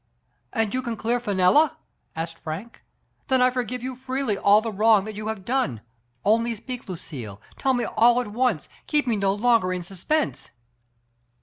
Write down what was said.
"And you can clear Fenella?" asked Frank. "Then I forgive you freely all the wrong you have done — only speak, Lucille, tell me all at once, keep me no longer in suspense